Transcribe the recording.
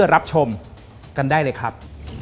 รับชมกันได้เลยครับ